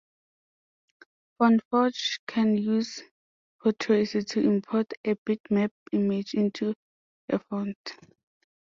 FontForge can use Potrace to import a bitmap image into a font.